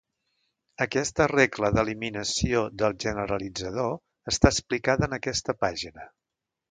Aquesta regla d'eliminació del generalitzador està explicada en aquesta pàgina.